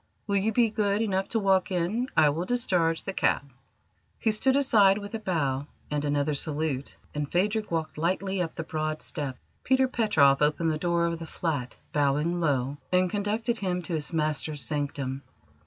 "Will you be good enough to walk in? I will discharge the cab." He stood aside with a bow and another salute, and Phadrig walked lightly up the broad steps. Peter Petroff opened the door of the flat, bowing low, and conducted him to his master's sanctum.